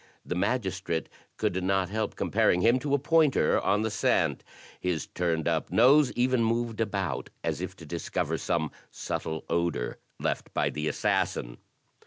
The magistrate could not help comparing him to a pointer on the scent, his turned up nose even moved about as if to discover some subtle odor left by the assassin.